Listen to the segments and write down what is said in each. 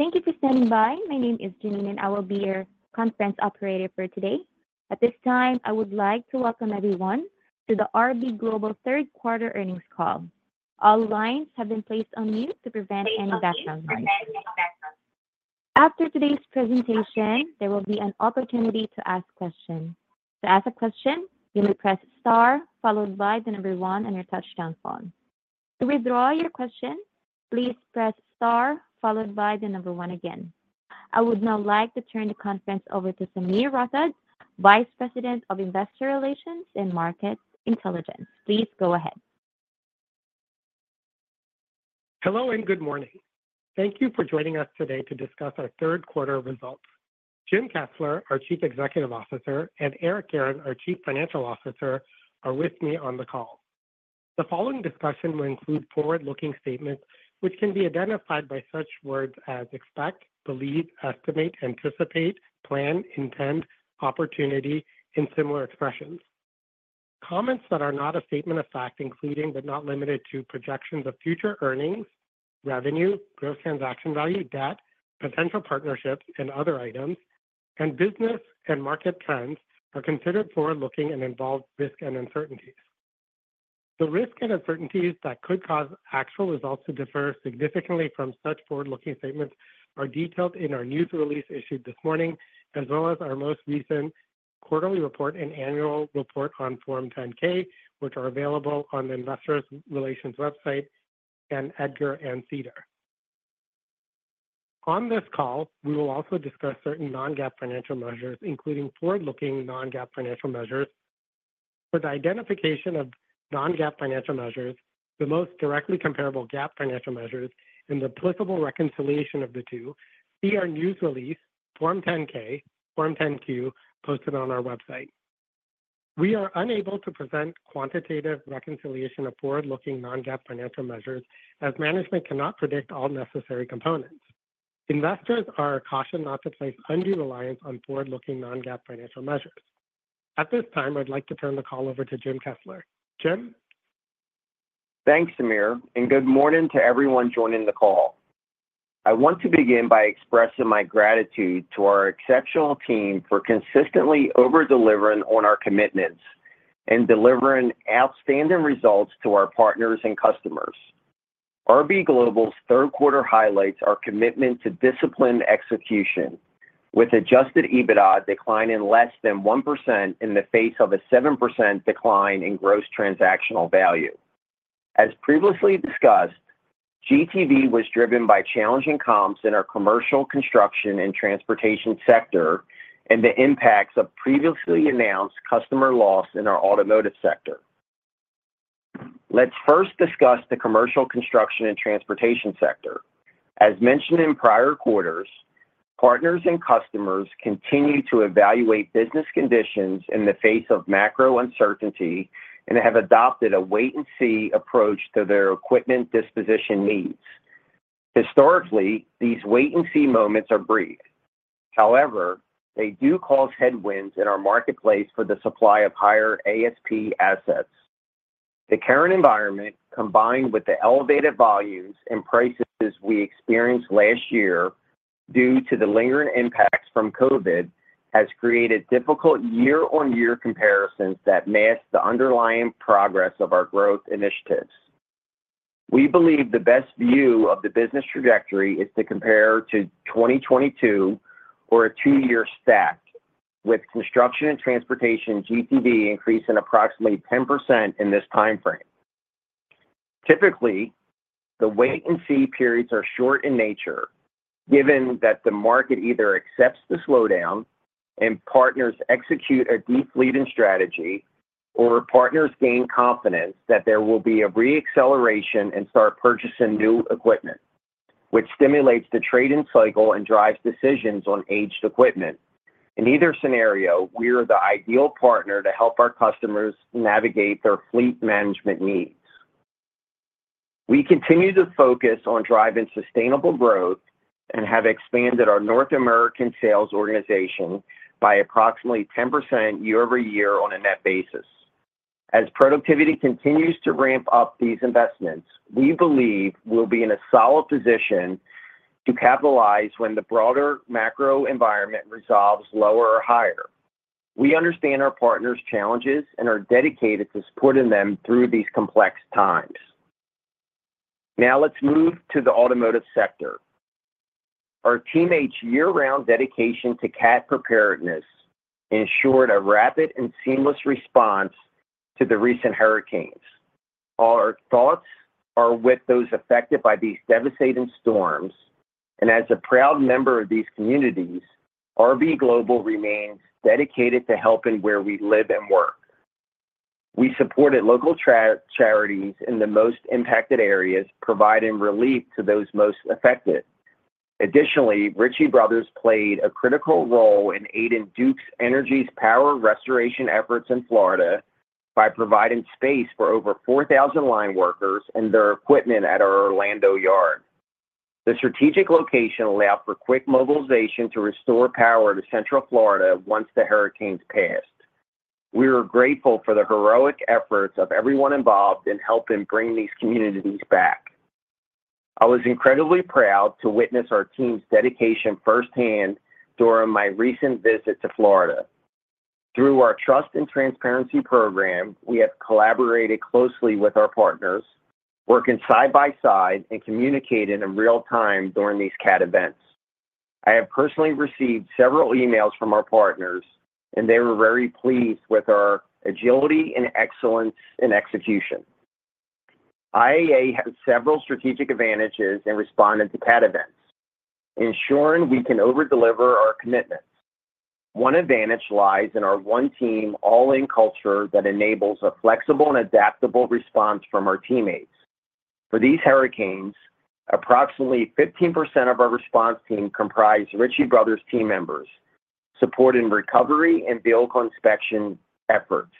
Thank you for standing by. My name is Janine, and I will be your conference operator for today. At this time, I would like to welcome everyone to the RB Global third quarter earnings call. All lines have been placed on mute to prevent any background noise. After today's presentation, there will be an opportunity to ask questions. To ask a question, you may press star followed by the number one on your touch-tone phone. To withdraw your question, please press star followed by the number one again. I would now like to turn the conference over to Sameer Rathod, Vice President of Investor Relations and Market Intelligence. Please go ahead. Hello and good morning. Thank you for joining us today to discuss our third quarter results. Jim Kessler, our Chief Executive Officer, and Eric Guerin, our Chief Financial Officer, are with me on the call. The following discussion will include forward-looking statements which can be identified by such words as expect, believe, estimate, anticipate, plan, intend, opportunity, and similar expressions. Comments that are not a statement of fact, including but not limited to projections of future earnings, revenue, gross transaction value, debt, potential partnerships, and other items, and business and market trends, are considered forward-looking and involve risk and uncertainties. The risks and uncertainties that could cause actual results to differ significantly from such forward-looking statements are detailed in our news release issued this morning, as well as our most recent quarterly report and annual report on Form 10-K, which are available on the Investor Relations website and EDGAR and SEDAR. On this call, we will also discuss certain non-GAAP financial measures, including forward-looking non-GAAP financial measures. For the identification of non-GAAP financial measures, the most directly comparable GAAP financial measures, and the applicable reconciliation of the two, see our news release, Form 10-K, Form 10-Q, posted on our website. We are unable to present quantitative reconciliation of forward-looking non-GAAP financial measures, as management cannot predict all necessary components. Investors are cautioned not to place undue reliance on forward-looking non-GAAP financial measures. At this time, I'd like to turn the call over to Jim Kessler. Jim? Thanks, Sameer, and good morning to everyone joining the call. I want to begin by expressing my gratitude to our exceptional team for consistently over-delivering on our commitments and delivering outstanding results to our partners and customers. RB Global's third quarter highlights our commitment to disciplined execution, with adjusted EBITDA declining less than 1% in the face of a 7% decline in gross transaction value. As previously discussed, GTV was driven by challenging comps in our commercial, construction, and transportation sector and the impacts of previously announced customer loss in our automotive sector. Let's first discuss the commercial, construction, and transportation sector. As mentioned in prior quarters, partners and customers continue to evaluate business conditions in the face of macro uncertainty and have adopted a wait-and-see approach to their equipment disposition needs. Historically, these wait-and-see moments are brief. However, they do cause headwinds in our marketplace for the supply of higher ASP assets. The current environment, combined with the elevated volumes and prices we experienced last year due to the lingering impacts from COVID, has created difficult year-on-year comparisons that mask the underlying progress of our growth initiatives. We believe the best view of the business trajectory is to compare to 2022 or a two-year stack, with construction and transportation GTV increasing approximately 10% in this timeframe. Typically, the wait-and-see periods are short in nature, given that the market either accepts the slowdown and partners execute a de-fleeting strategy, or partners gain confidence that there will be a re-acceleration and start purchasing new equipment, which stimulates the trade-in cycle and drives decisions on aged equipment. In either scenario, we are the ideal partner to help our customers navigate their fleet management needs. We continue to focus on driving sustainable growth and have expanded our North American sales organization by approximately 10% year-over-year on a net basis. As productivity continues to ramp up these investments, we believe we'll be in a solid position to capitalize when the broader macro environment resolves lower or higher. We understand our partners' challenges and are dedicated to supporting them through these complex times. Now let's move to the automotive sector. Our teammates' year-round dedication to CAT preparedness ensured a rapid and seamless response to the recent hurricanes. Our thoughts are with those affected by these devastating storms, and as a proud member of these communities, RB Global remains dedicated to helping where we live and work. We supported local charities in the most impacted areas, providing relief to those most affected. Additionally, Ritchie Brothers played a critical role in aiding Duke Energy's power restoration efforts in Florida by providing space for over 4,000 line workers and their equipment at our Orlando yard. The strategic location allowed for quick mobilization to restore power to Central Florida once the hurricanes passed. We are grateful for the heroic efforts of everyone involved in helping bring these communities back. I was incredibly proud to witness our team's dedication firsthand during my recent visit to Florida. Through our Trust and Transparency program, we have collaborated closely with our partners, working side by side and communicating in real time during these CAT events. I have personally received several emails from our partners, and they were very pleased with our agility and excellence in execution. IAA had several strategic advantages in responding to CAT events, ensuring we can over-deliver our commitments. One advantage lies in our one-team, all-in culture that enables a flexible and adaptable response from our teammates. For these hurricanes, approximately 15% of our response team comprised Ritchie Brothers team members, supporting recovery and vehicle inspection efforts.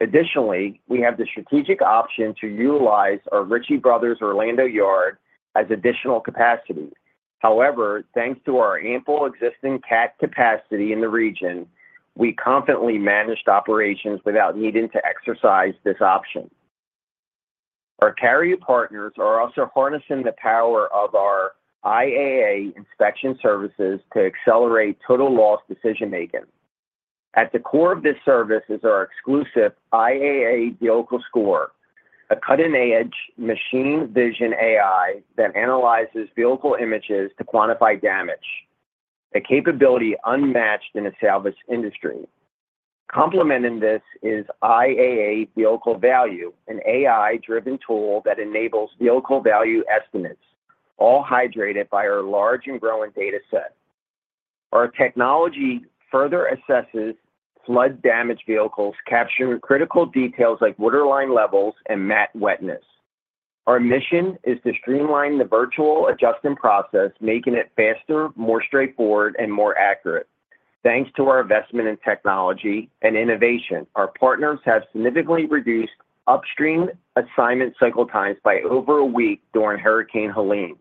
Additionally, we have the strategic option to utilize our Ritchie Brothers Orlando yard as additional capacity. However, thanks to our ample existing CAT capacity in the region, we confidently managed operations without needing to exercise this option. Our carrier partners are also harnessing the power of our IAA inspection services to accelerate total loss decision-making. At the core of this service is our exclusive IAA Vehicle Score, a cutting-edge machine vision AI that analyzes vehicle images to quantify damage, a capability unmatched in the salvage industry. Complementing this is IAA Vehicle Value, an AI-driven tool that enables vehicle value estimates, all hydrated by our large and growing data set. Our technology further assesses flood-damaged vehicles, capturing critical details like waterline levels and mat wetness. Our mission is to streamline the virtual adjustment process, making it faster, more straightforward, and more accurate. Thanks to our investment in technology and innovation, our partners have significantly reduced upstream assignment cycle times by over a week during Hurricane Helene.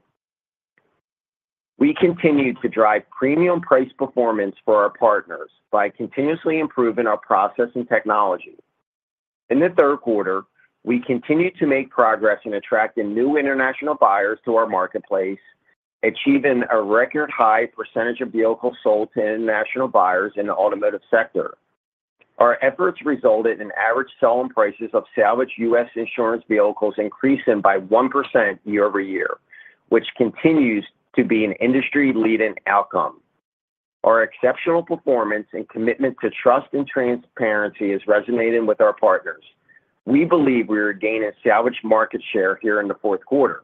We continue to drive premium price performance for our partners by continuously improving our process and technology. In the third quarter, we continue to make progress in attracting new international buyers to our marketplace, achieving a record-high percentage of vehicles sold to international buyers in the automotive sector. Our efforts resulted in average selling prices of salvage U.S. insurance vehicles increasing by 1% year-over-year, which continues to be an industry-leading outcome. Our exceptional performance and commitment to Trust and Transparency is resonating with our partners. We believe we are gaining salvage market share here in the fourth quarter.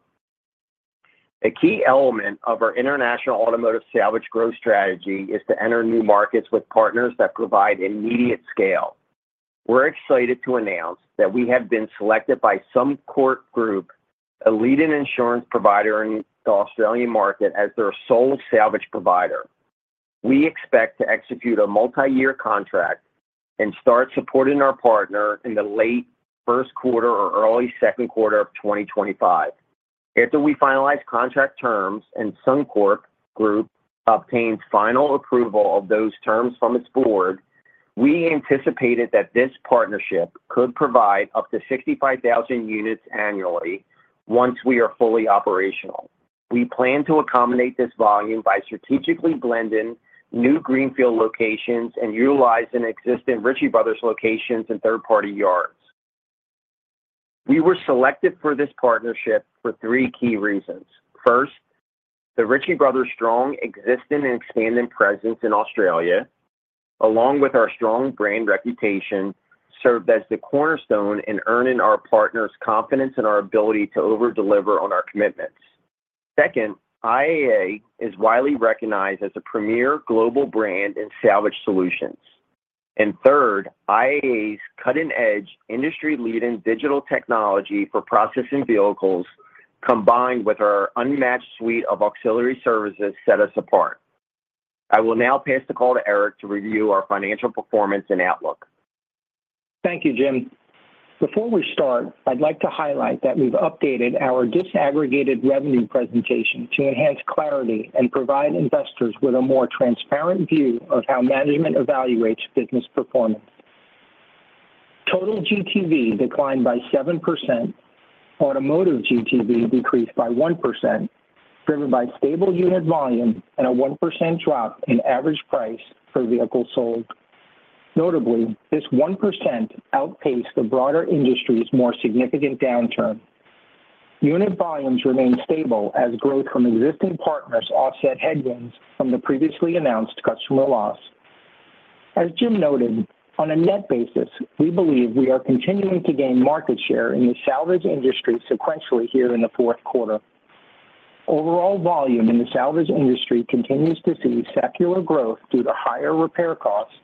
A key element of our international automotive salvage growth strategy is to enter new markets with partners that provide immediate scale. We're excited to announce that we have been selected by Suncorp Group, a leading insurance provider in the Australian market as their sole salvage provider. We expect to execute a multi-year contract and start supporting our partner in the late first quarter or early second quarter of 2025. After we finalize contract terms and Suncorp Group obtains final approval of those terms from its board, we anticipated that this partnership could provide up to 65,000 units annually once we are fully operational. We plan to accommodate this volume by strategically blending new greenfield locations and utilizing existing Ritchie Brothers locations and third-party yards. We were selected for this partnership for three key reasons. First, the Ritchie Brothers' strong existing and expanding presence in Australia, along with our strong brand reputation, served as the cornerstone in earning our partners' confidence in our ability to over-deliver on our commitments. Second, IAA is widely recognized as a premier global brand in salvage solutions. And third, IAA's cutting-edge, industry-leading digital technology for processing vehicles, combined with our unmatched suite of auxiliary services, set us apart. I will now pass the call to Eric to review our financial performance and outlook. Thank you, Jim. Before we start, I'd like to highlight that we've updated our disaggregated revenue presentation to enhance clarity and provide investors with a more transparent view of how management evaluates business performance. Total GTV declined by 7%, automotive GTV decreased by 1%, driven by stable unit volume and a 1% drop in average price per vehicle sold. Notably, this 1% outpaced the broader industry's more significant downturn. Unit volumes remain stable as growth from existing partners offset headwinds from the previously announced customer loss. As Jim noted, on a net basis, we believe we are continuing to gain market share in the salvage industry sequentially here in the fourth quarter. Overall volume in the salvage industry continues to see secular growth due to higher repair costs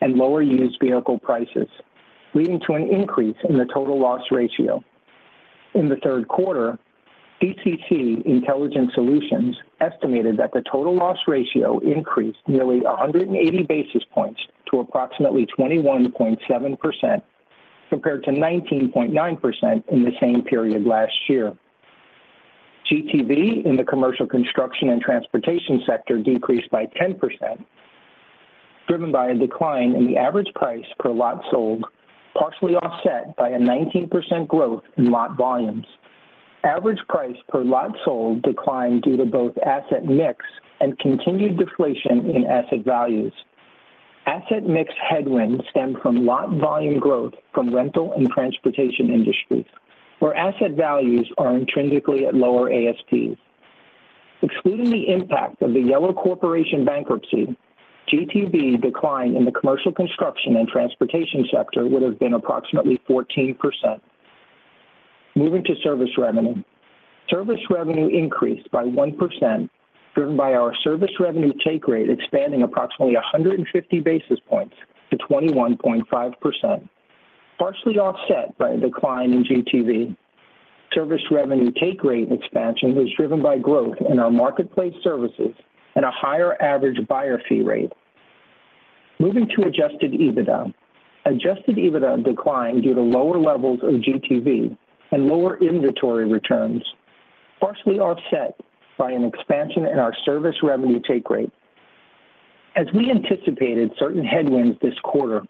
and lower used vehicle prices, leading to an increase in the total loss ratio. In the third quarter, CCC Intelligent Solutions estimated that the total loss ratio increased nearly 180 basis points to approximately 21.7%, compared to 19.9% in the same period last year. GTV in the commercial, construction, and transportation sector decreased by 10%, driven by a decline in the average price per lot sold, partially offset by a 19% growth in lot volumes. Average price per lot sold declined due to both asset mix and continued deflation in asset values. Asset mix headwinds stem from lot volume growth from rental and transportation industries, where asset values are intrinsically at lower ASPs. Excluding the impact of the Yellow Corporation bankruptcy, GTV decline in the commercial, construction, and transportation sector would have been approximately 14%. Moving to service revenue. Service revenue increased by 1%, driven by our service revenue take rate expanding approximately 150 basis points to 21.5%, partially offset by a decline in GTV. Service revenue take rate expansion was driven by growth in our marketplace services and a higher average buyer fee rate. Moving to Adjusted EBITDA. Adjusted EBITDA declined due to lower levels of GTV and lower inventory returns, partially offset by an expansion in our service revenue take rate. As we anticipated certain headwinds this quarter,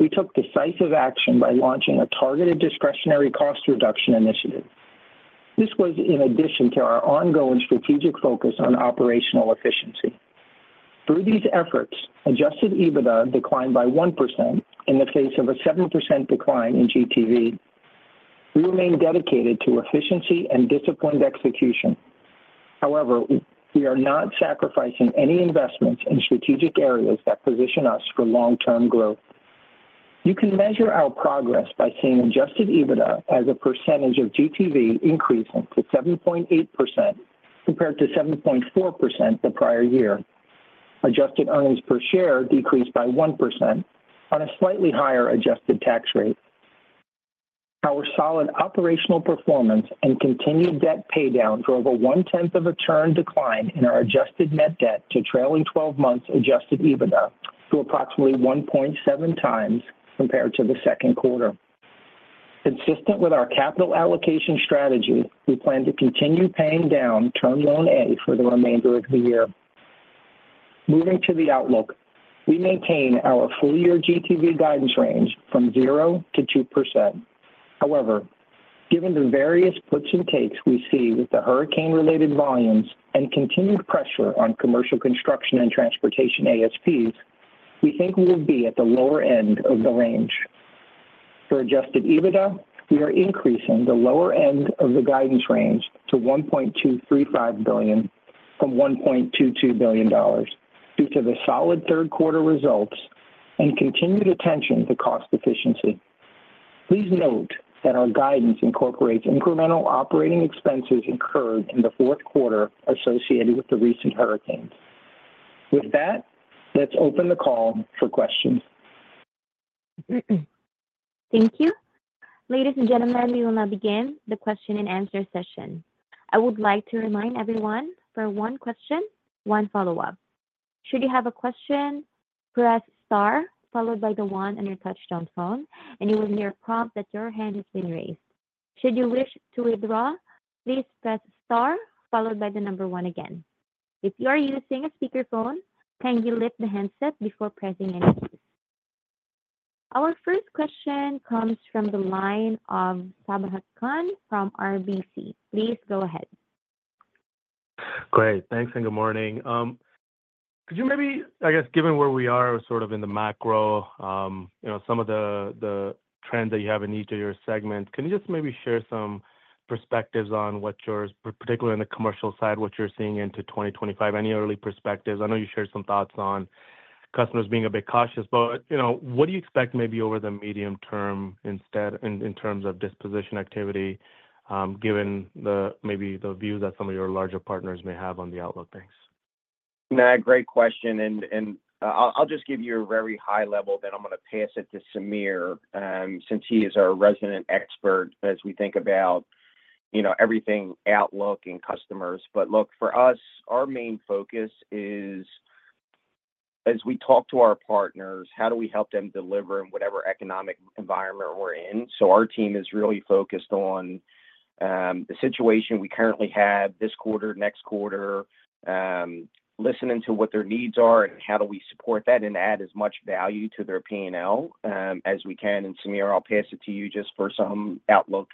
we took decisive action by launching a targeted discretionary cost reduction initiative. This was in addition to our ongoing strategic focus on operational efficiency. Through these efforts, Adjusted EBITDA declined by 1% in the face of a 7% decline in GTV. We remain dedicated to efficiency and disciplined execution. However, we are not sacrificing any investments in strategic areas that position us for long-term growth. You can measure our progress by seeing adjusted EBITDA as a percentage of GTV increasing to 7.8% compared to 7.4% the prior year. Adjusted earnings per share decreased by 1% on a slightly higher adjusted tax rate. Our solid operational performance and continued debt paydown drove a one-tenth of a turn decline in our adjusted net debt to trailing 12 months' adjusted EBITDA to approximately 1.7 times compared to the second quarter. Consistent with our capital allocation strategy, we plan to continue paying down Term Loan A for the remainder of the year. Moving to the outlook, we maintain our full-year GTV guidance range from 0%-2%. However, given the various puts and takes we see with the hurricane-related volumes and continued pressure on commercial, construction, and transportation ASPs, we think we will be at the lower end of the range. For adjusted EBITDA, we are increasing the lower end of the guidance range to $1.235 billion from $1.22 billion due to the solid third quarter results and continued attention to cost efficiency. Please note that our guidance incorporates incremental operating expenses incurred in the fourth quarter associated with the recent hurricanes. With that, let's open the call for questions. Thank you. Ladies and gentlemen, we will now begin the question-and-answer session. I would like to remind everyone for one question, one follow-up. Should you have a question, press star followed by the one on your touch-tone phone, and you will hear a prompt that your hand has been raised. Should you wish to withdraw, please press star followed by the number one again. If you are using a speakerphone, kindly lift the handset before pressing any keys. Our first question comes from the line of Sabahat Khan from RBC. Please go ahead. Great. Thanks and good morning. Could you maybe, I guess, given where we are, sort of in the macro, some of the trends that you have in each of your segments, can you just maybe share some perspectives on what yours, particularly on the commercial side, what you're seeing into 2025? Any early perspectives? I know you shared some thoughts on customers being a bit cautious, but what do you expect maybe over the medium term instead in terms of disposition activity, given maybe the view that some of your larger partners may have on the outlook things? Matt, great question. And I'll just give you a very high level, then I'm going to pass it to Sameer since he is our resident expert as we think about everything outlook and customers. But look, for us, our main focus is, as we talk to our partners, how do we help them deliver in whatever economic environment we're in? So our team is really focused on the situation we currently have this quarter, next quarter, listening to what their needs are and how do we support that and add as much value to their P&L as we can. And Sameer, I'll pass it to you just for some outlook.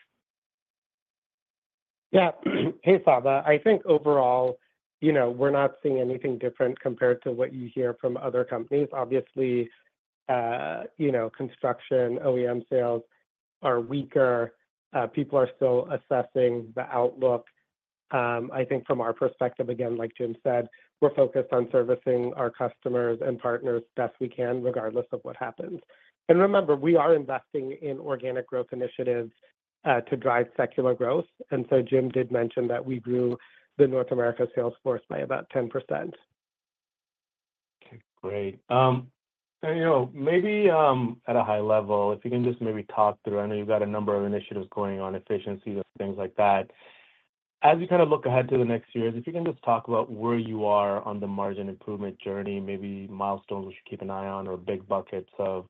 Yeah. Hey, Sabah. I think overall, we're not seeing anything different compared to what you hear from other companies. Obviously, construction, OEM sales are weaker. People are still assessing the outlook. I think from our perspective, again, like Jim said, we're focused on servicing our customers and partners best we can, regardless of what happens, and remember, we are investing in organic growth initiatives to drive secular growth, and so Jim did mention that we grew the North America sales force by about 10%. Okay. Great. And maybe at a high level, if you can just maybe talk through, I know you've got a number of initiatives going on, efficiencies and things like that. As you kind of look ahead to the next years, if you can just talk about where you are on the margin improvement journey, maybe milestones we should keep an eye on or big buckets of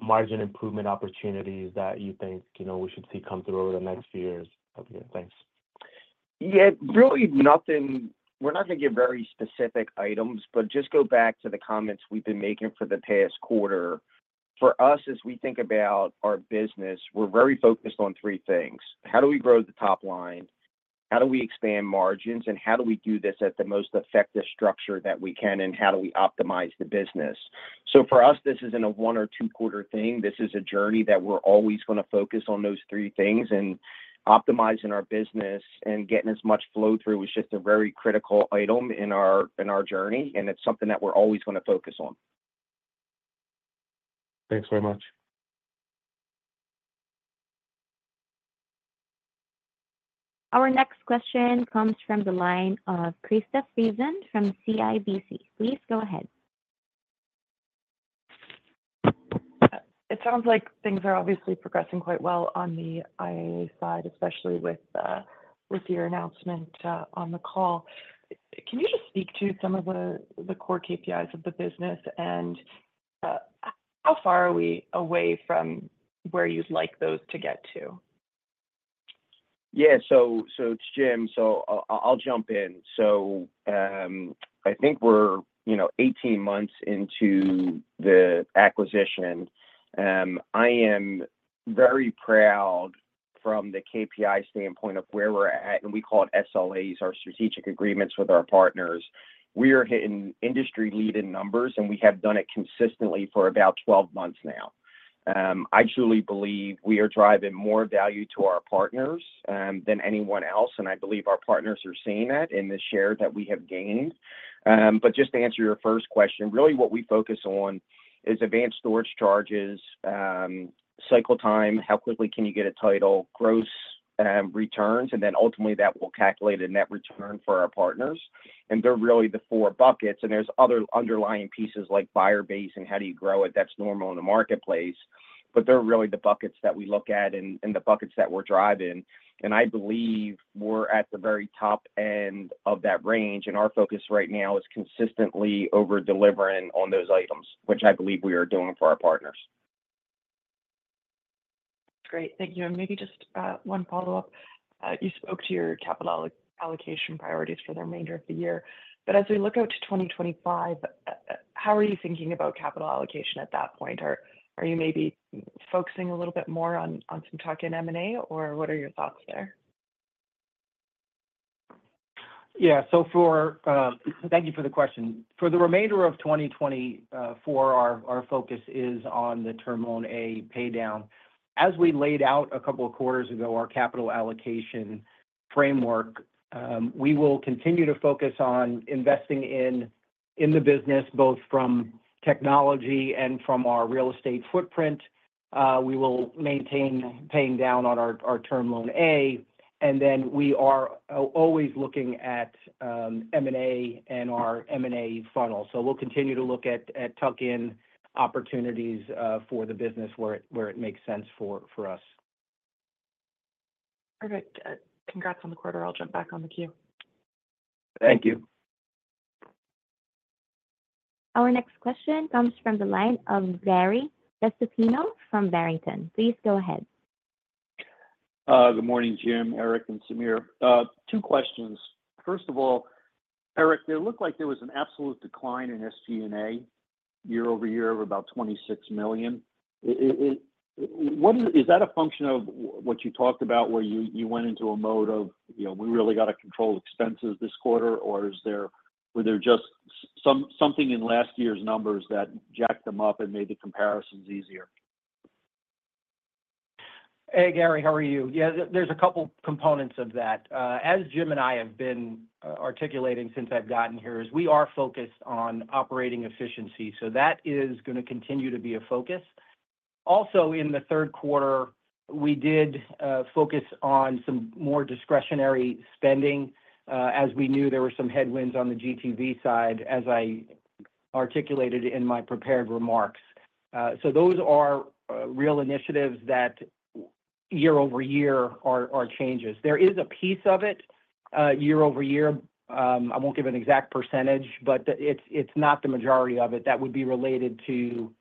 margin improvement opportunities that you think we should see come through over the next few years. Thanks. Yeah. Really nothing. We're not going to get very specific items, but just go back to the comments we've been making for the past quarter. For us, as we think about our business, we're very focused on three things. How do we grow the top line? How do we expand margins? And how do we do this at the most effective structure that we can? And how do we optimize the business? So for us, this isn't a one or two-quarter thing. This is a journey that we're always going to focus on those three things. And optimizing our business and getting as much flow through is just a very critical item in our journey. And it's something that we're always going to focus on. Thanks very much. Our next question comes from the line of Krista Friesen from CIBC. Please go ahead. It sounds like things are obviously progressing quite well on the IAA side, especially with your announcement on the call. Can you just speak to some of the core KPIs of the business and how far are we away from where you'd like those to get to? Yeah, so it's Jim, so I'll jump in, so I think we're 18 months into the acquisition. I am very proud from the KPI standpoint of where we're at, and we call it SLAs, our strategic agreements with our partners. We are hitting industry-leading numbers, and we have done it consistently for about 12 months now. I truly believe we are driving more value to our partners than anyone else, and I believe our partners are seeing that in the share that we have gained, but just to answer your first question, really what we focus on is advance storage charges, cycle time, how quickly can you get a title, gross returns, and then ultimately that will calculate a net return for our partners, and they're really the four buckets, and there's other underlying pieces like buyer base and how do you grow it. That's normal in the marketplace. But they're really the buckets that we look at and the buckets that we're driving. And I believe we're at the very top end of that range. And our focus right now is consistently over-delivering on those items, which I believe we are doing for our partners. Great. Thank you. And maybe just one follow-up. You spoke to your capital allocation priorities for the remainder of the year. But as we look out to 2025, how are you thinking about capital allocation at that point? Are you maybe focusing a little bit more on some tuck-in M&A, or what are your thoughts there? Yeah. So thank you for the question. For the remainder of 2024, our focus is on the Term Loan A paydown. As we laid out a couple of quarters ago, our capital allocation framework, we will continue to focus on investing in the business both from technology and from our real estate footprint. We will maintain paying down on our Term Loan A. And then we are always looking at M&A and our M&A funnel. So we'll continue to look at tuck-in opportunities for the business where it makes sense for us. Perfect. Congrats on the quarter. I'll jump back on the queue. Thank you. Our next question comes from the line of Gary Prestopino from Barrington Research. Please go ahead. Good morning, Jim, Eric, and Sameer. Two questions. First of all, Eric, it looked like there was an absolute decline in SG&A year over year of about $26 million. Is that a function of what you talked about where you went into a mode of, "We really got to control expenses this quarter," or were there just something in last year's numbers that jacked them up and made the comparisons easier? Hey, Gary, how are you? Yeah, there's a couple of components of that. As Jim and I have been articulating since I've gotten here, we are focused on operating efficiency. So that is going to continue to be a focus. Also, in the third quarter, we did focus on some more discretionary spending as we knew there were some headwinds on the GTV side as I articulated in my prepared remarks. So those are real initiatives that year over year are changes. There is a piece of it year over year. I won't give an exact percentage, but it's not the majority of it that would be related to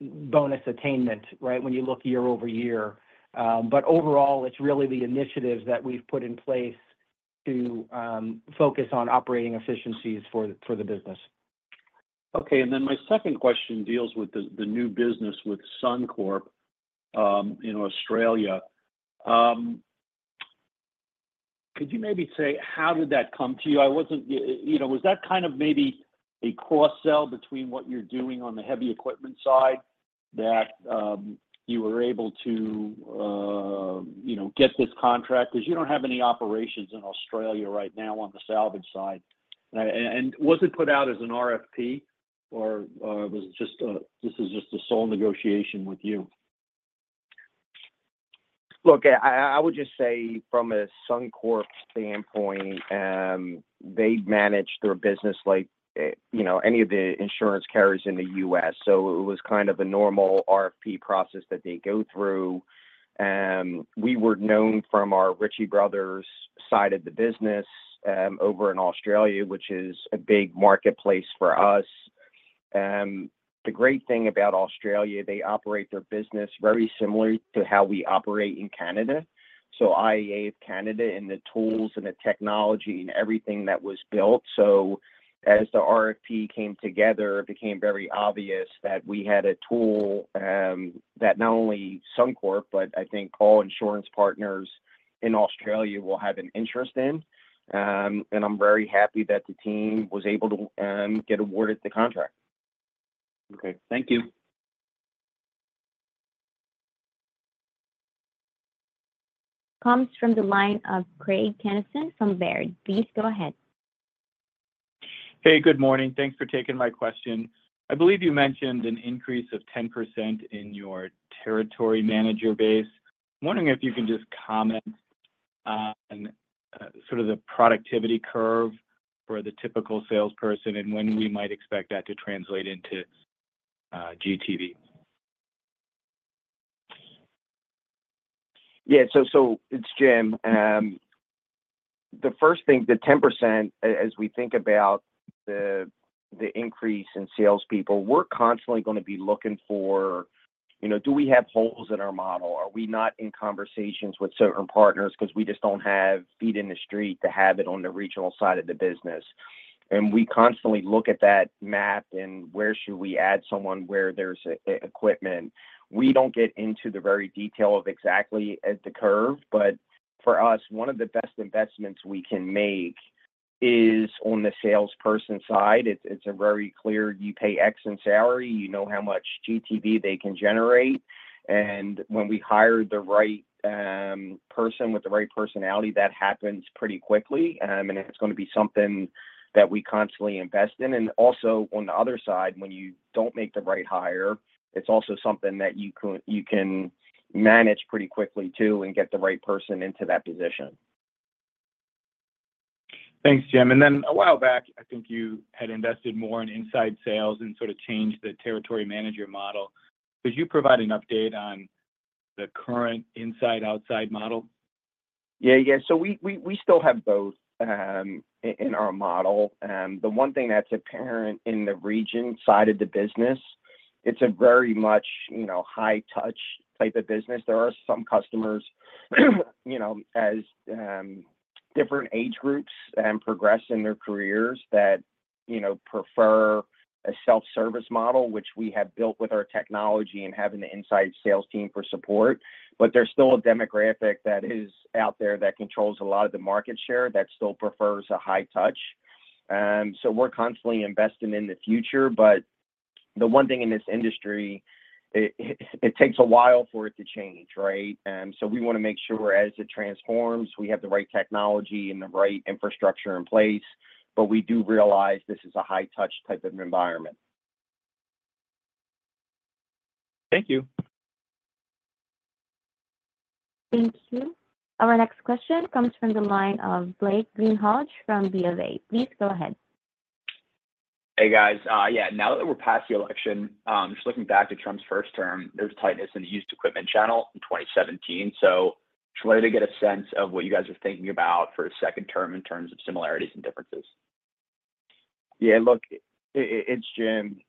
bonus attainment, right, when you look year over year. But overall, it's really the initiatives that we've put in place to focus on operating efficiencies for the business. Okay. And then my second question deals with the new business with Suncorp in Australia. Could you maybe say how did that come to you? Was that kind of maybe a cross-sell between what you're doing on the heavy equipment side that you were able to get this contract? Because you don't have any operations in Australia right now on the salvage side. And was it put out as an RFP, or was it just a this is just a sole negotiation with you? Look, I would just say from a Suncorp standpoint, they manage their business like any of the insurance carriers in the U.S. So it was kind of a normal RFP process that they go through. We were known from our Ritchie Brothers side of the business over in Australia, which is a big marketplace for us. The great thing about Australia, they operate their business very similar to how we operate in Canada. So IAA of Canada and the tools and the technology and everything that was built. So as the RFP came together, it became very obvious that we had a tool that not only Suncorp, but I think all insurance partners in Australia will have an interest in. And I'm very happy that the team was able to get awarded the contract. Okay. Thank you. Comes from the line of Craig Kennison from Baird. Please go ahead. Hey, good morning. Thanks for taking my question. I believe you mentioned an increase of 10% in your territory manager base. I'm wondering if you can just comment on sort of the productivity curve for the typical salesperson and when we might expect that to translate into GTV. Yeah. So it's Jim. The first thing, the 10%, as we think about the increase in salespeople, we're constantly going to be looking for, do we have holes in our model? Are we not in conversations with certain partners because we just don't have feet in the street to have it on the regional side of the business? And we constantly look at that map and where should we add someone where there's equipment? We don't get into the very detail of exactly the curve, but for us, one of the best investments we can make is on the salesperson side. It's very clear. You pay X in salary. You know how much GTV they can generate. And when we hire the right person with the right personality, that happens pretty quickly. And it's going to be something that we constantly invest in. Also, on the other side, when you don't make the right hire, it's also something that you can manage pretty quickly too and get the right person into that position. Thanks, Jim. And then a while back, I think you had invested more in inside sales and sort of changed the territory manager model. Could you provide an update on the current inside-outside model? Yeah. Yeah. So we still have both in our model. The one thing that's apparent in the regional side of the business, it's a very much high-touch type of business. There are some customers of different age groups and progress in their careers that prefer a self-service model, which we have built with our technology and having the inside sales team for support. But there's still a demographic that is out there that controls a lot of the market share that still prefers a high touch. So we're constantly investing in the future. But the one thing in this industry, it takes a while for it to change, right? So we want to make sure as it transforms, we have the right technology and the right infrastructure in place. But we do realize this is a high-touch type of environment. Thank you. Thank you. Our next question comes from the line of Blake Greenhalgh from B of A. Please go ahead. Hey, guys. Yeah. Now that we're past the election, just looking back at Trump's first term, there's tightness in the used equipment channel in 2017, so just wanted to get a sense of what you guys are thinking about for a second term in terms of similarities and differences. Yeah. Look, it's Jim.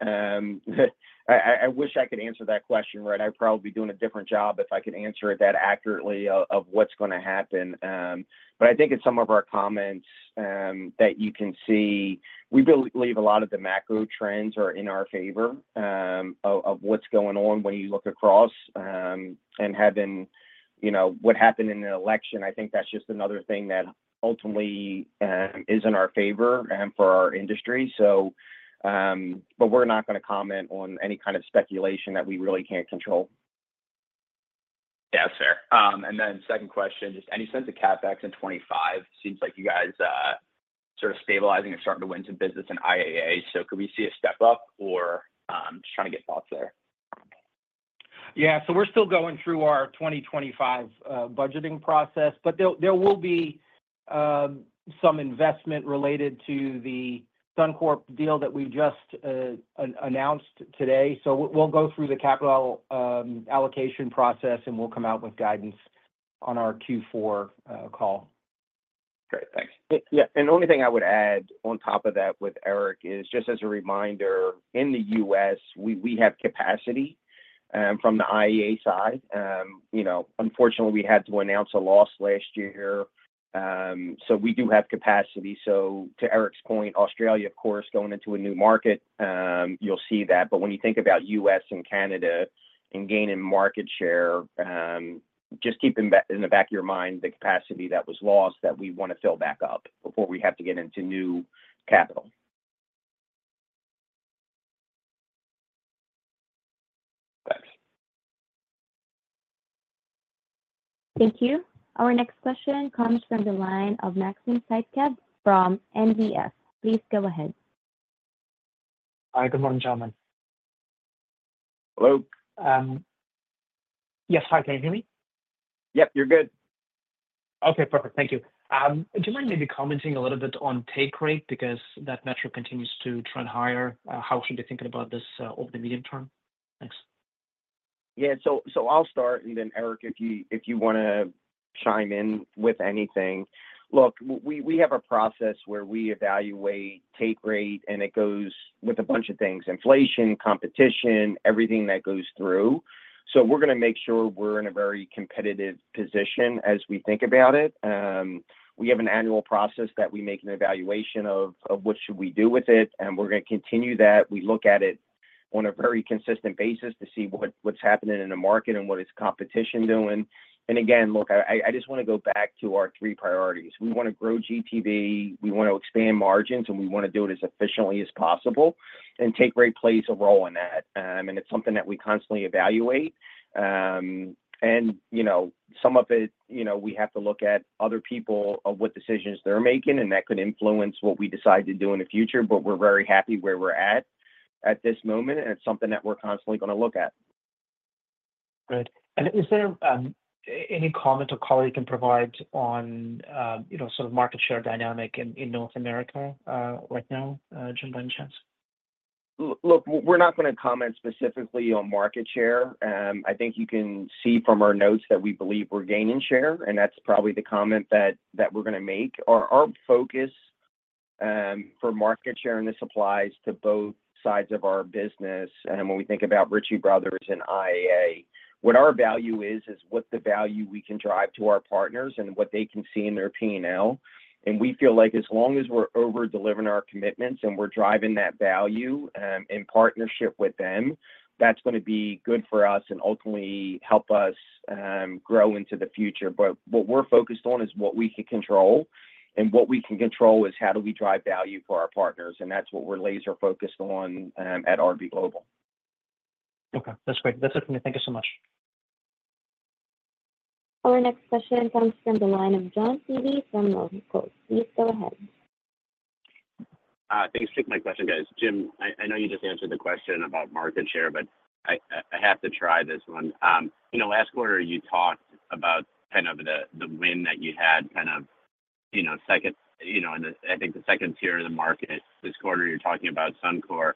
I wish I could answer that question right. I'd probably be doing a different job if I could answer it that accurately of what's going to happen. But I think in some of our comments that you can see, we believe a lot of the macro trends are in our favor of what's going on when you look across. And having what happened in the election, I think that's just another thing that ultimately is in our favor and for our industry. But we're not going to comment on any kind of speculation that we really can't control. Yeah, sir. And then second question, just any sense of CapEx in 2025? Seems like you guys are sort of stabilizing and starting to win some business in IAA. So could we see a step up or just trying to get thoughts there? Yeah. So we're still going through our 2025 budgeting process, but there will be some investment related to the Suncorp deal that we just announced today. So we'll go through the capital allocation process, and we'll come out with guidance on our Q4 call. Great. Thanks. Yeah. And the only thing I would add on top of that with Eric is just as a reminder, in the U.S., we have capacity from the IAA side. Unfortunately, we had to announce a loss last year. So we do have capacity. So to Eric's point, Australia, of course, going into a new market, you'll see that. But when you think about U.S. and Canada and gaining market share, just keep in the back of your mind the capacity that was lost that we want to fill back up before we have to get into new capital. Thanks. Thank you. Our next question comes from the line of Maxim Sytchev from National Bank Financial. Please go ahead. Hi. Good morning, gentlemen. Hello. Yes. Hi. Can you hear me? Yep. You're good. Okay. Perfect. Thank you. Do you mind maybe commenting a little bit on take rate because that metric continues to trend higher? How should you think about this over the medium term? Thanks. Yeah. So I'll start, and then Eric, if you want to chime in with anything. Look, we have a process where we evaluate take rate, and it goes with a bunch of things: inflation, competition, everything that goes through. So we're going to make sure we're in a very competitive position as we think about it. We have an annual process that we make an evaluation of what should we do with it. And we're going to continue that. We look at it on a very consistent basis to see what's happening in the market and what is competition doing. And again, look, I just want to go back to our three priorities. We want to grow GTV. We want to expand margins, and we want to do it as efficiently as possible. And take rate plays a role in that. And it's something that we constantly evaluate. And some of it, we have to look at other people of what decisions they're making, and that could influence what we decide to do in the future. But we're very happy where we're at this moment, and it's something that we're constantly going to look at. Good. And is there any comment a colleague can provide on sort of market share dynamic in North America right now, Jim by any chance? Look, we're not going to comment specifically on market share. I think you can see from our notes that we believe we're gaining share, and that's probably the comment that we're going to make. Our focus for market share in this applies to both sides of our business. And when we think about Ritchie Brothers and IAA, what our value is, is what the value we can drive to our partners and what they can see in their P&L. And we feel like as long as we're over-delivering our commitments and we're driving that value in partnership with them, that's going to be good for us and ultimately help us grow into the future. But what we're focused on is what we can control. And what we can control is how do we drive value for our partners. And that's what we're laser-focused on at RB Global. Okay. That's great. That's it for me. Thank you so much. Our next question comes from the line of John Healy from Northcoast Research. Please go ahead. Thanks for taking my question, guys. Jim, I know you just answered the question about market share, but I have to try this one. Last quarter, you talked about kind of the win that you had kind of second, I think the second tier of the market. This quarter, you're talking about Suncorp.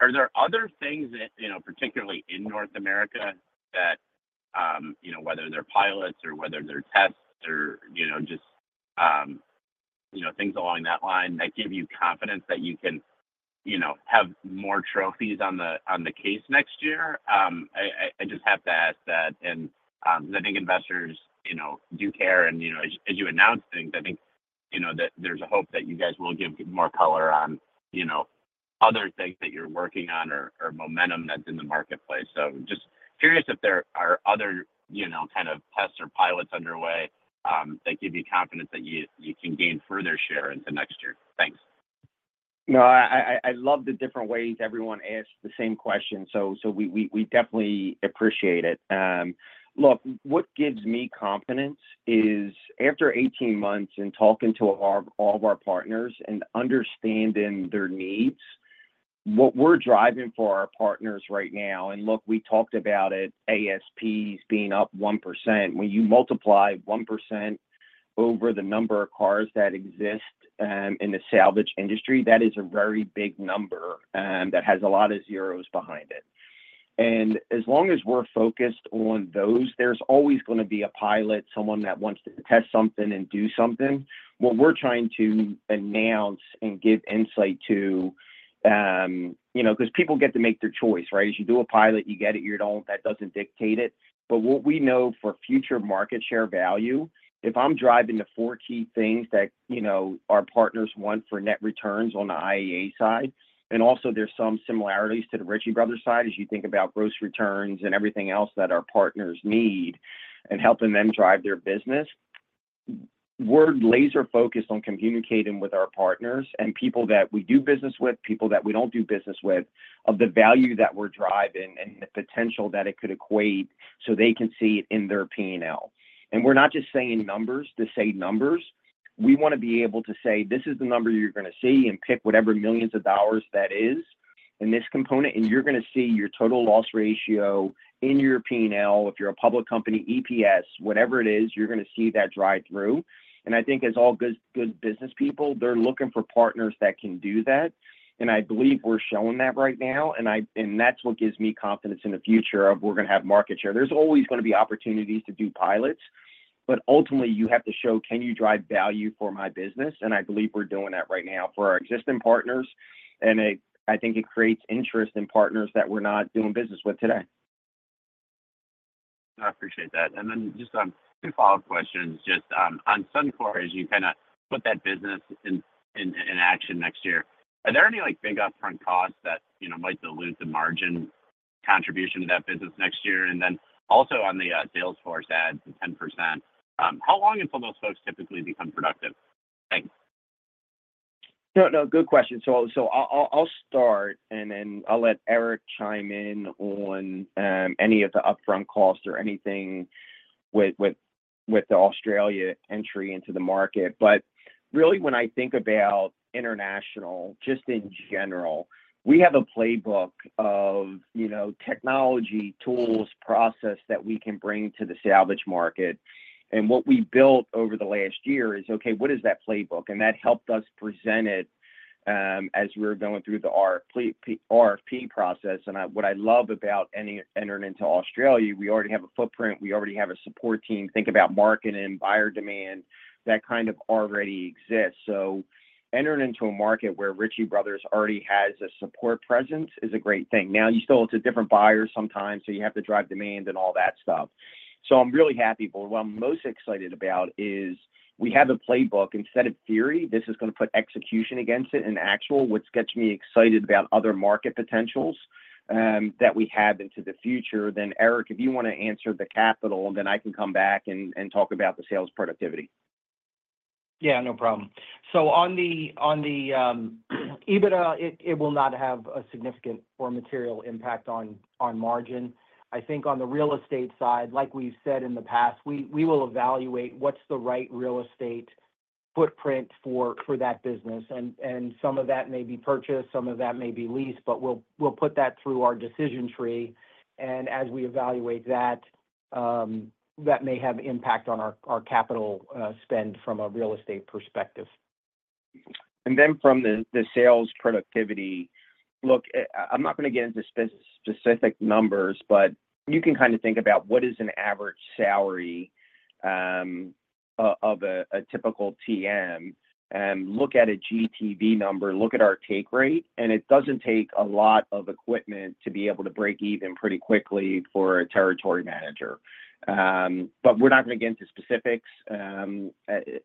Are there other things, particularly in North America, that whether they're pilots or whether they're tests or just things along that line that give you confidence that you can have more trophies on the case next year? I just have to ask that. I think investors do care. As you announced things, I think that there's a hope that you guys will give more color on other things that you're working on or momentum that's in the marketplace. So just curious if there are other kind of tests or pilots underway that give you confidence that you can gain further share into next year? Thanks. No, I love the different ways everyone asks the same question. So we definitely appreciate it. Look, what gives me confidence is after 18 months and talking to all of our partners and understanding their needs, what we're driving for our partners right now. And look, we talked about it, ASPs being up 1%. When you multiply 1% over the number of cars that exist in the salvage industry, that is a very big number that has a lot of zeros behind it. And as long as we're focused on those, there's always going to be a pilot, someone that wants to test something and do something. What we're trying to announce and give insight to because people get to make their choice, right? If you do a pilot, you get it. If you don't, that doesn't dictate it. But what we know for future market share value, if I'm driving the four key things that our partners want for net returns on the IAA side, and also there's some similarities to the Ritchie Brothers side as you think about gross returns and everything else that our partners need and helping them drive their business, we're laser-focused on communicating with our partners and people that we do business with, people that we don't do business with, of the value that we're driving and the potential that it could equate so they can see it in their P&L. And we're not just saying numbers to say numbers. We want to be able to say, "This is the number you're going to see and pick whatever millions of dollars that is in this component, and you're going to see your total loss ratio in your P&L. If you're a public company, EPS, whatever it is, you're going to see that drive through," and I think as all good business people, they're looking for partners that can do that. I believe we're showing that right now. That's what gives me confidence in the future that we're going to have market share. There's always going to be opportunities to do pilots. But ultimately, you have to show, "Can you drive value for my business?" I believe we're doing that right now for our existing partners. I think it creates interest in partners that we're not doing business with today. I appreciate that. And then just two follow-up questions. Just on Suncorp, as you kind of put that business in action next year, are there any big upfront costs that might dilute the margin contribution to that business next year? And then also on the sales force adds, the 10%, how long until those folks typically become productive? Thanks. No, no. Good question. So I'll start, and then I'll let Eric chime in on any of the upfront costs or anything with the Australia entry into the market. But really, when I think about international, just in general, we have a playbook of technology, tools, process that we can bring to the salvage market. And what we built over the last year is, "Okay, what is that playbook?" And that helped us present it as we were going through the RFP process. And what I love about entering into Australia, we already have a footprint. We already have a support team. Think about market and buyer demand. That kind of already exists. So entering into a market where Ritchie Brothers already has a support presence is a great thing. Now, you still have to have different buyers sometimes, so you have to drive demand and all that stuff. So I'm really happy. But what I'm most excited about is we have a playbook. Instead of theory, this is going to put execution against it in actual, which gets me excited about other market potentials that we have into the future. Then Eric, if you want to answer the capital, then I can come back and talk about the sales productivity. Yeah, no problem. So on the EBITDA, it will not have a significant or material impact on margin. I think on the real estate side, like we've said in the past, we will evaluate what's the right real estate footprint for that business. And some of that may be purchased. Some of that may be leased. But we'll put that through our decision tree. And as we evaluate that, that may have impact on our capital spend from a real estate perspective. And then from the sales productivity, look, I'm not going to get into specific numbers, but you can kind of think about what is an average salary of a typical TM and look at a GTV number, look at our take rate. And it doesn't take a lot of equipment to be able to break even pretty quickly for a territory manager. But we're not going to get into specifics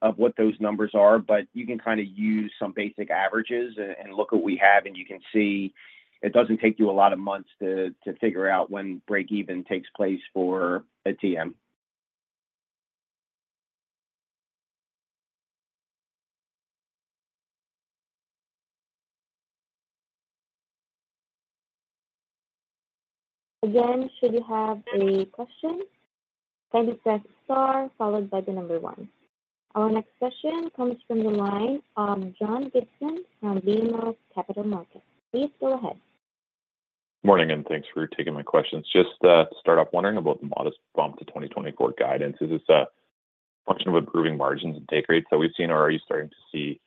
of what those numbers are. But you can kind of use some basic averages and look at what we have, and you can see it doesn't take you a lot of months to figure out when break-even takes place for a TM. Again, should you have a question, please press star followed by the number one. Our next question comes from the line of John Gibson from BMO Capital Markets. Please go ahead. Good morning, and thanks for taking my questions. Just to start off, wondering about the modest bump to 2024 guidance. Is this a function of improving margins and take rates that we've seen, or are you starting to see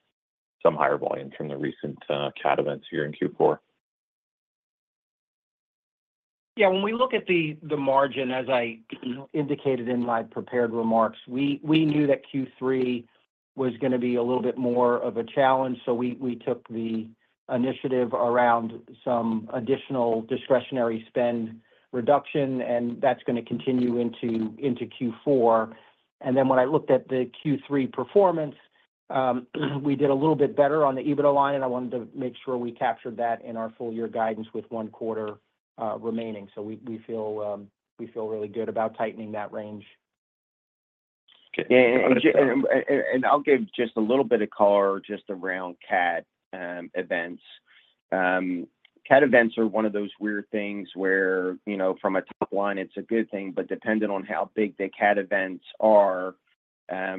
some higher volume from the recent CAT events here in Q4? Yeah. When we look at the margin, as I indicated in my prepared remarks, we knew that Q3 was going to be a little bit more of a challenge. So we took the initiative around some additional discretionary spend reduction, and that's going to continue into Q4. And then when I looked at the Q3 performance, we did a little bit better on the EBITDA line, and I wanted to make sure we captured that in our full-year guidance with one quarter remaining. So we feel really good about tightening that range. I'll give just a little bit of color just around CAT events. CAT events are one of those weird things where from a top line, it's a good thing. But depending on how big the CAT events are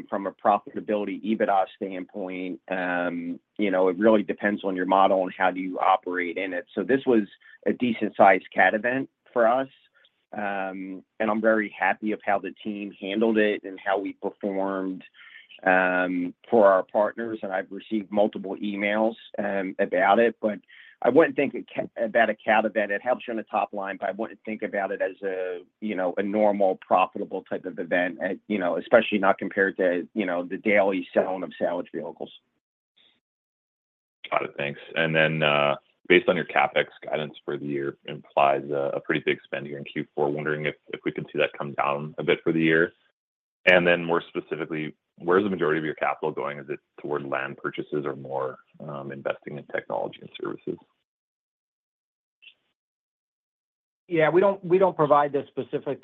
from a profitability EBITDA standpoint, it really depends on your model and how do you operate in it. So this was a decent-sized CAT event for us. And I'm very happy of how the team handled it and how we performed for our partners. And I've received multiple emails about it. But I wouldn't think about a CAT event. It helps you on the top line, but I wouldn't think about it as a normal profitable type of event, especially not compared to the daily selling of salvage vehicles. Got it. Thanks. And then based on your CapEx guidance for the year, it implies a pretty big spend here in Q4. Wondering if we could see that come down a bit for the year. And then more specifically, where's the majority of your capital going? Is it toward land purchases or more investing in technology and services? Yeah. We don't provide the specific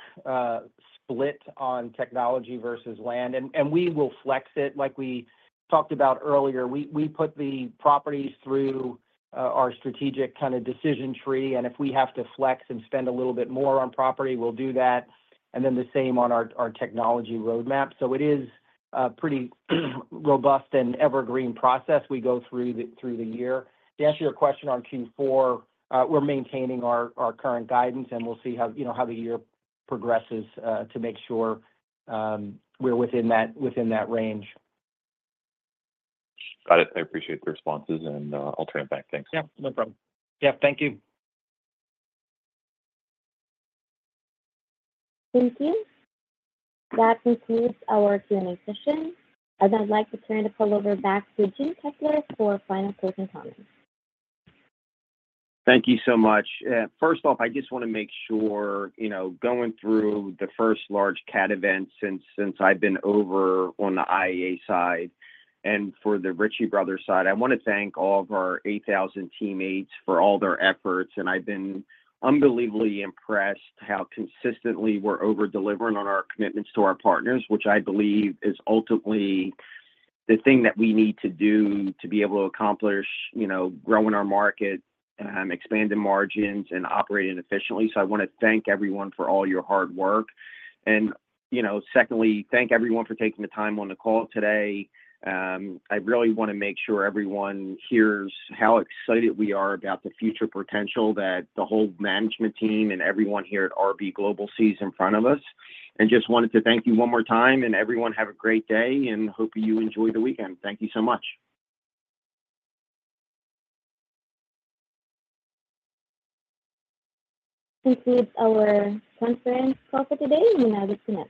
split on technology versus land, and we will flex it. Like we talked about earlier, we put the properties through our strategic kind of decision tree, and if we have to flex and spend a little bit more on property, we'll do that, and then the same on our technology roadmap, so it is a pretty robust and evergreen process we go through the year. To answer your question on Q4, we're maintaining our current guidance, and we'll see how the year progresses to make sure we're within that range. Got it. I appreciate the responses, and I'll turn it back. Thanks. Yeah. No problem. Yeah. Thank you. Thank you. That concludes our Q&A session, and I'd like to turn the call over back to Jim Kessler for final closing comments. Thank you so much. First off, I just want to make sure going through the first large CAT event since I've been over on the IAA side and for the Ritchie Brothers side, I want to thank all of our 8,000 teammates for all their efforts, and I've been unbelievably impressed how consistently we're over-delivering on our commitments to our partners, which I believe is ultimately the thing that we need to do to be able to accomplish growing our market, expanding margins, and operating efficiently, so I want to thank everyone for all your hard work, and secondly, thank everyone for taking the time on the call today. I really want to make sure everyone hears how excited we are about the future potential that the whole management team and everyone here at RB Global sees in front of us, and just wanted to thank you one more time. And everyone, have a great day and hope you enjoy the weekend. Thank you so much. Concludes our conference call for today. You may now disconnect.